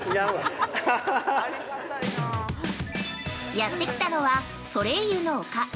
◆やってきたのは、ソレイユの丘。